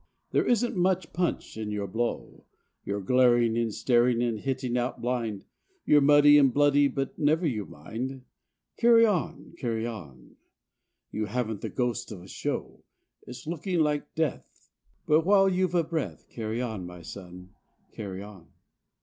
There isn't much punch in your blow. You're glaring and staring and hitting out blind; You're muddy and bloody, but never you mind. Carry on! Carry on! You haven't the ghost of a show. It's looking like death, but while you've a breath, Carry on, my son! Carry on!